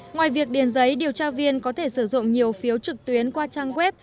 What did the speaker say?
ngoài việc điền giấy điều tra viên có thể sử dụng nhiều phiếu trực tuyến qua trang web